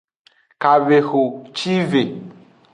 Kavehocive.